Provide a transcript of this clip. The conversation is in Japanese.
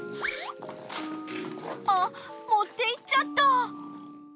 あっ持って行っちゃった。